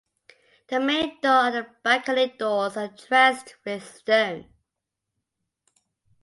The main door and the balcony doors are dressed with stone.